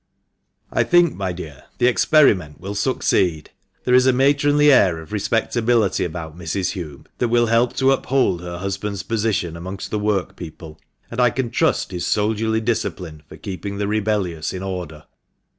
" I think, my dear, the experiment will succeed. There is a matronly air of respectability about Mrs. Hulme that will help to uphold her husband's position amongst the workpeople, and I can trust his soldierly discipline for keeping the rebellious in order."